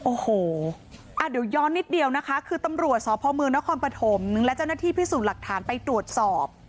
โอ้โหเดี๋ยวย้อนนิดเดียวนะคะคือตำรวจสพเมืองนครปฐมและเจ้าหน้าที่พิสูจน์หลักฐานไปตรวจสอบ